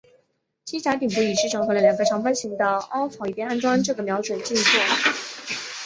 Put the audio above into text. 机匣顶部已经整合了两个长方形的凹槽以便安装这个瞄准镜座。